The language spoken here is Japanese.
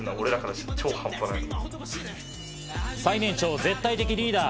最年長、絶対的リーダー。